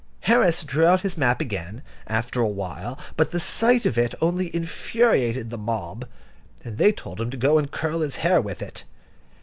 Harris drew out his map again, after a while, but the sight of it only infuriated the mob, and they told him to go and curl his hair with it.